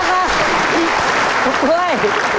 ป้าก้วย